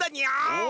お！